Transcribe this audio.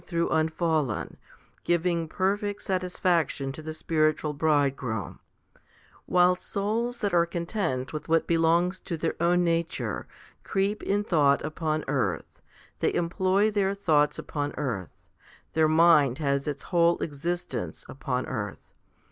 12. 2 Ps, xlv. 7. 24 FIFTY SPIRITUAL HOMILIES through unfallen, giving perfect satisfaction to the spiritual Bridegroom ; while souls that are content with what belongs tQ their own nature creep in thought upon earth; they employ their thoughts upon earth ; their mind has its whole existence upon earth.